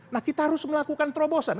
nah kita harus melakukan terobosan